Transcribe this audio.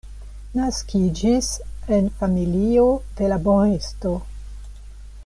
Naskiĝis en familio de laboristo.